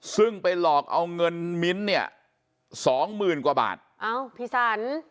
ซึ่งไปหลอกเอาเงินมิ้นต์เนี่ย๒๐๐๐๐กว่าบาทพี่สรร